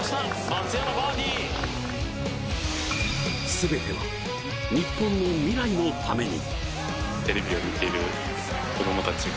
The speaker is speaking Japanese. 全ては日本の未来のために。